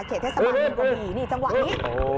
เขตเทศบาลมีกะบี่นี่จังหวะนี้